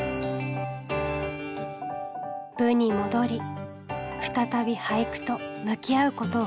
部に戻り再び俳句と向き合うことを決めた。